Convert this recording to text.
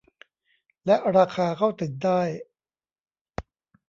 และราคาเข้าถึงได้